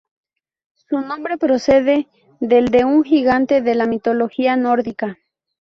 Su nombre procede del de un gigante de la mitología nórdica.